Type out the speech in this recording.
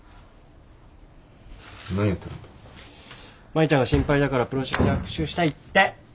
舞ちゃんが心配だからプロシージャー復習したいって。